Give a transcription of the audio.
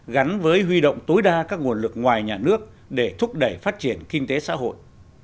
gắn với huy động tối đa các nguồn lực ngoài nhà nước để thúc đẩy phát triển kinh tế xã hội